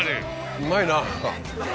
うまいな。